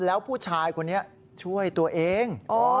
แล้วผู้ชายคนนี้ช่วยตัวเอง